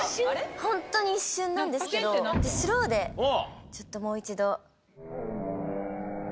ホントに一瞬なんですけどスローでちょっともう一度。